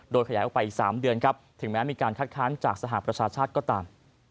โดยขยายออกไปอีก๓เดือนครับถึงแม้มีการคัดค้านจากสหประชาชาติก็ตาม